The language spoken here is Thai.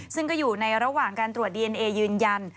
ซึ่งก็อยู่ในระหว่างการตรวจดีเอนเอยืนยัน